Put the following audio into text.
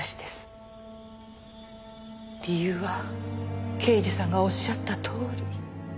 理由は刑事さんがおっしゃったとおり。